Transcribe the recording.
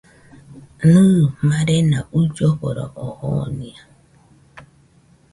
Nɨ, marena uilloforo oo jonia